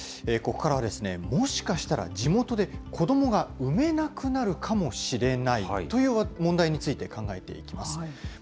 ここからは、もしかしたら地元で子どもが産めなくなるかもしれないという問題について考えていきます。